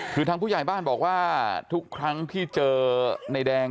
คือทางผู้ใหญ่บ้านบอกว่าทุกครั้งที่เจอในแดง